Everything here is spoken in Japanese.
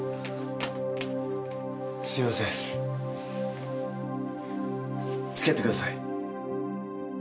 すいません付き合ってください。